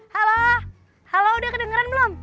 halo halo udah kedengeran belum